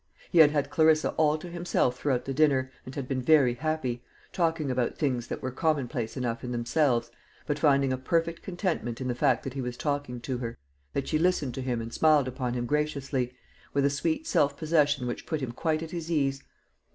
He had had Clarissa all to himself throughout the dinner, and had been very happy, talking about things that were commonplace enough in themselves, but finding a perfect contentment in the fact that he was talking to her, that she listened to him and smiled upon him graciously, with a sweet self possession which put him quite at his ease.